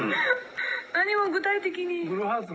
「何も具体的に」。